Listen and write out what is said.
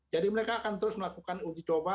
jadi mereka akan terus melakukan uji coba